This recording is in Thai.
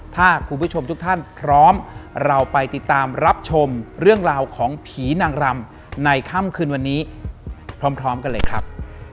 ถ้าคุณผู้ชมทุกท่านพร้อมเราไปติดตามรับชมเรื่องราวของผีนางรำในค่ำคืนวันนี้พร้อมกันเลยครับ